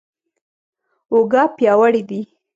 اوږه پیاوړې دي.